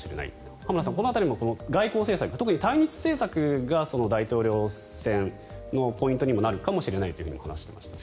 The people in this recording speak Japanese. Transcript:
浜田さん、この辺りも外交政策、特に対日政策が大統領選のポイントにもなるかもしれないと話していました。